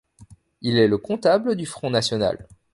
Il est le comptable du Front national.